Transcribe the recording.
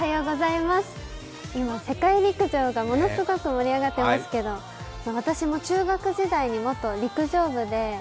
今、世界陸上がものすごく盛り上がってますけど私も中学時代に元陸上部で。